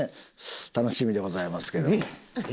楽しみでございますけども。